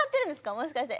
もしかして。